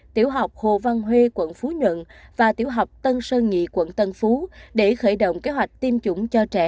tiểu học hồ văn huê quận phú nhuận và tiểu học tân sơn nhị quận tân phú để khởi động kế hoạch tiêm chủng cho trẻ